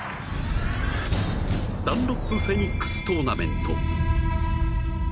ダンロップフェニックストーナメント。